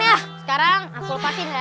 eh sekarang aku lepasin ya